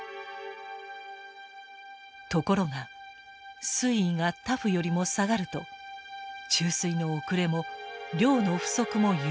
ところが水位がＴＡＦよりも下がると注水の遅れも量の不足も許されない。